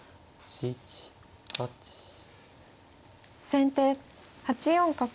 先手８四角。